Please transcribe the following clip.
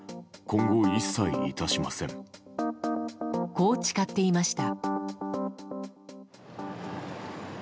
こう誓っていました。